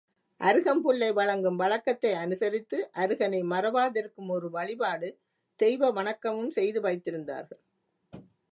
.அருகம் புல்லை வழங்கும் வழக்கத்தை அனுசரித்து அருகனை மறவாதிருக்கும் ஓர் வழிபாடு தெய்வ வணக்கமும் செய்து வைத்திருந்தார்கள்.